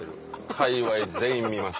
かいわい全員見ます。